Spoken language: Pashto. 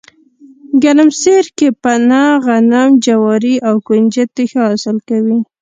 ګرمسیر کې پنه، غنم، جواري او ُکنجدي ښه حاصل کوي